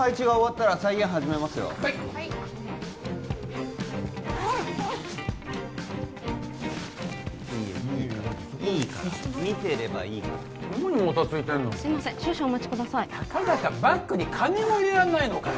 たかだかバッグに金も入れらんないのかよ